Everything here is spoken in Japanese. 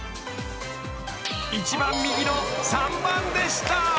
［一番右の３番でした］